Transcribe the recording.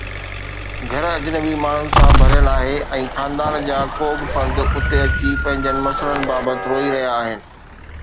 گهر اجنبي ماڻهن سان ڀريل آهي ۽ خاندان جا ڪو به فرد اتي اچي پنهنجن مسئلن بابت روئي رهيا آهن